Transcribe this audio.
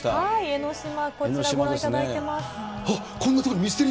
江の島、こちら、ご覧いただあっ、え？